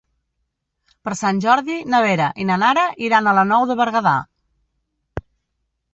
Per Sant Jordi na Vera i na Nara iran a la Nou de Berguedà.